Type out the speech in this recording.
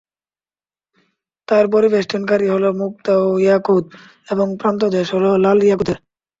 তার পরিবেষ্টনকারী হলো মুক্তা ও ইয়াকুত এবং প্রান্তদেশ হলো লাল ইয়াকুতের।